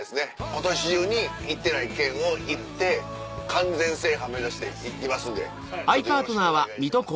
今年中に行ってない県を行って完全制覇目指していますんでちょっとよろしくお願いします